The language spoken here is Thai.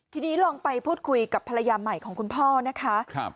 ทีนี้ลองไปพูดคุยกับภรรยาใหม่ของคุณพ่อนะคะ